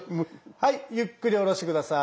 はいゆっくりおろして下さい。